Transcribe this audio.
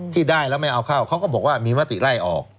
ที่ได้แล้วไม่เอาเข้าเขาก็บอกว่ามีมติไล่ออก